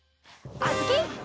あづき！